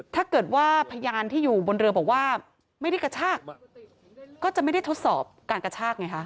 พยานที่อยู่บนเรือบอกว่าไม่ได้กระชากก็จะไม่ได้ทดสอบการกระชากไงคะ